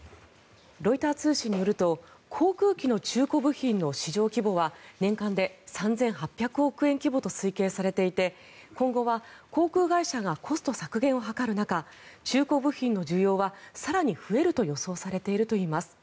ロイター通信によると航空機の中古部品の市場規模は年間で３８００億円規模と推計されていて今後は航空会社がコスト削減を図る中中古部品の需要は更に増えると予想されているといいます。